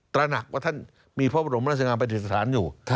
ตระหนักว่าท่านมีพระบรมนาศิการไปที่สถานอยู่